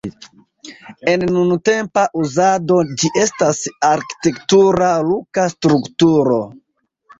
En nuntempa uzado ĝi estas arkitektura luka strukturo.